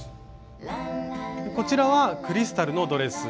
こちらはクリスタルのドレス。